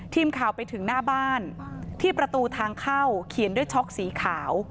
ทีมข่าวไปถึงหน้าบ้านที่ประตูทางเข้าเขียนด้วยช็อกสีขาว